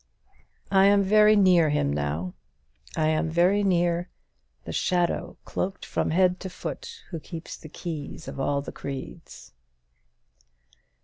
I am very near him now; I am very near 'the shadow, cloaked from head to foot, who keeps the keys of all the creeds!'"